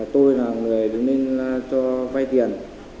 tôi là người đứng lên cho vay tiền